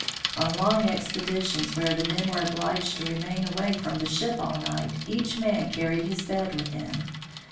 On long expeditions where the men were obliged to re main away from the ship all night, each man carried his bed with him.